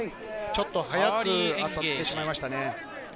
ちょっと早く当たってしまいましたね。